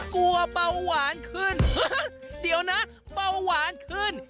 กลัวเปล่าหวานขึ้นเดี๋ยวนะเปล่าหวานขึ้น